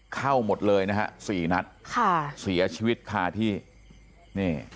เข้าหมดเลยนะฮะสี่นัดค่ะเสียชีวิตคาที่นี่